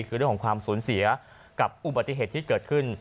คือเรื่องของความสูญเสียกับอุบัติเหตุที่เกิดขึ้น